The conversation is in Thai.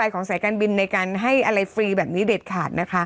ขออนุญาตเล่าให้ฟันเลยค่ะ